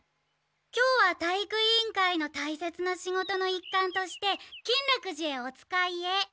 今日は体育委員会のたいせつな仕事のいっかんとして金楽寺へおつかいへ。